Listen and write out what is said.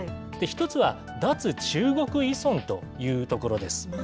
１つは脱中国依存というところです。